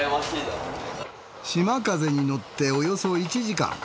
しまかぜに乗っておよそ１時間。